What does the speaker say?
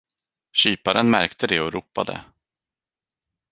Kyparen märkte det och ropade.